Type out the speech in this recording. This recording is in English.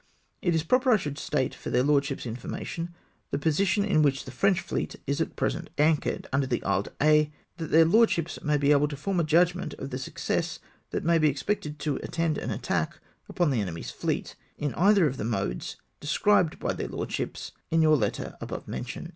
" It is proper I should state for their Lordships' information, tlie position in which the French fleet is at present anchored under the Isle d'Aix, that their Lordships may be able to form a judgment of the success that may be expected to attend an attack upon the enemy's fleet, in either of the modes directed by their Lordships in your letter above mentioned.